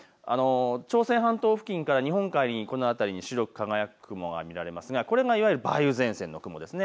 朝鮮半島付近から日本海に白く輝く雲が見られますがこれがいわゆる梅雨前線の雲です。